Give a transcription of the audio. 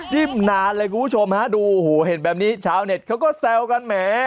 จิ้มนานเลยคุณผู้ชมดูเห็นแบบนี้ชาวเน็ตเขาก็แซวกันแหม